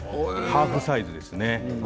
ハーフサイズですね。